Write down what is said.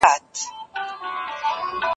د عزت پايمالول لويه جفا ده.